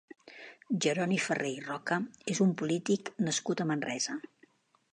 Jeroni Ferrer i Roca és un polític nascut a Manresa.